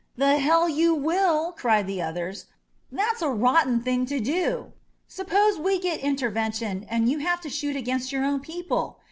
The hell you will," cried the others. "That's a rotten thing to do. Suppose we get Intervention and you have to shoot against your own people.